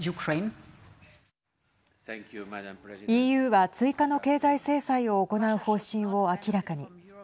ＥＵは追加の経済制裁を行う方針を明らかに。